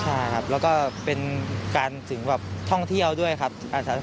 ใช่ครับแล้วก็เป็นการท่องเที่ยวด้วยอาสาไม่ดร้อย